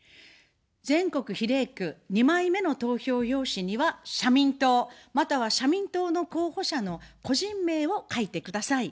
全国比例区、２枚目の投票用紙には社民党、または社民党の候補者の個人名を書いてください。